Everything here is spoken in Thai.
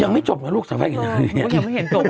ยังไม่จบนะลูกสาวไข่กินโดรี